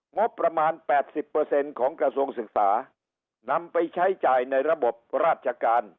งบประมาณ๘๐ของกระทรวงศึกษานำไปใช้จ่ายในระบบราชการ